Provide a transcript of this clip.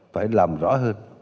phải làm rõ hơn